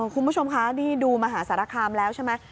คุณผู้ชมคะนี่ดูมหาสารคามแล้วใช่ไหม